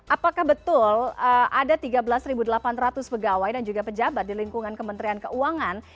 apakah betul ada tiga belas delapan ratus pegawai dan juga pejabat di lingkungan kementerian keuangan